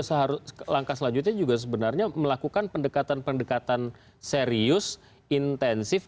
langkah selanjutnya juga sebenarnya melakukan pendekatan pendekatan serius intensif